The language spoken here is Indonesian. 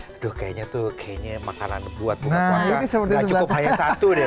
aduh kayaknya tuh kayaknya makanan buat buka puasa gak cukup hanya satu deh